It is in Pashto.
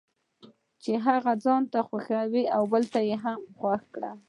چې هغه څه ځانته خوښوي بل ته یې هم خوښ کړي.